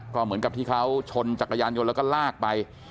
ก็เหมือนกับที่เขาชนจักรยานยนต์แล้วก็ลากไป